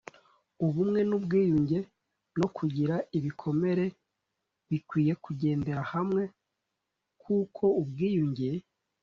Ubumwe n ubwiyunge no gukira ibikomere bikwiye kugendera hamwe kuko ubwiyunge